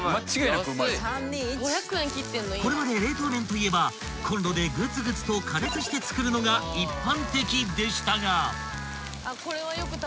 ［これまで冷凍麺といえばこんろでぐつぐつと加熱して作るのが一般的でしたが］